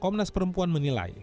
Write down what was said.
komnas perempuan menilai